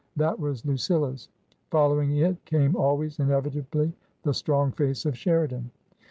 That was Lucilla's. Following it came always, inevitably, the strong face of Sheridan.